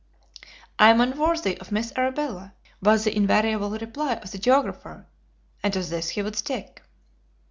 "I am unworthy of Miss Arabella," was the invariable reply of the geographer. And to this he would stick.